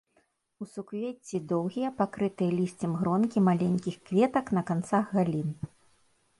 У суквецці доўгія, пакрытыя лісцем гронкі маленькіх кветак на канцах галін.